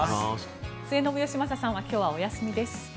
末延吉正さんは今日はお休みです。